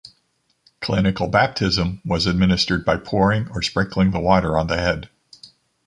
Clinical baptism was administered by pouring or sprinkling the water on the head.